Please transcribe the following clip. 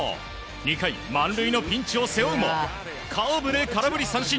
２回、満塁のピンチを背負うもカーブで空振り三振。